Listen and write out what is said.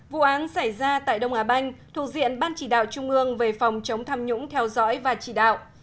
vụ án xảy ra tại đông á banh thuộc diện ban chỉ đạo trung ương về phòng chống tham nhũng theo dõi và chỉ đạo